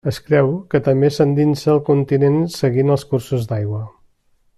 Es creu que també s'endinsà al continent seguint els cursos d'aigua.